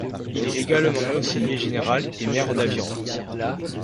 Il est également conseiller général et maire d'Aviron.